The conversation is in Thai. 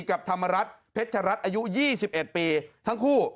กับธรรมรัฐเพชรัตน์อายุ๒๑ปีทั้งคู่